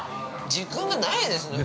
◆時間がないですね、本当に。